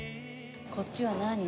こっちは何？